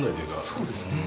そうですね